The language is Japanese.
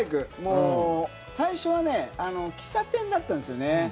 最初はね喫茶店だったんですよね。